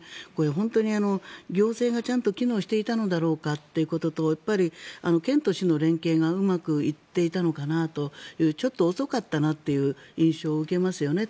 本当に行政がちゃんと機能していたのだろうかということと県と市の連携がうまくいっていたのかなというちょっと遅かったなという印象を受けますよね。